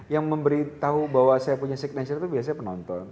yang memberitahu bahwa saya punya signature itu biasanya penonton